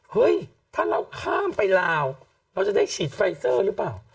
เฮ้ยถ้าเราข้ามไปลาวเราจะได้ฉีดไฟเซอร์หรือเปล่า